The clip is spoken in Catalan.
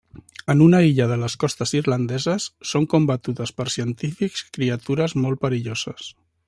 En una illa de les costes irlandeses, són combatudes per científics criatures molt perilloses.